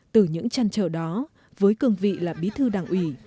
từ những trăn trở đó với cương vị là bí thư đảng ủy